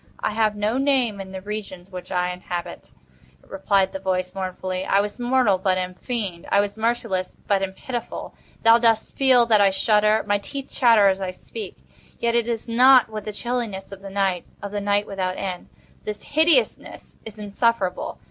"I have no name in the regions which I inhabit," replied the voice, mournfully; "I was mortal, but am fiend. I was merciless, but am pitiful. Thou dost feel that I shudder. My teeth chatter as I speak, yet it is not with the chilliness of the night—of the night without end. But this hideousness is insufferable.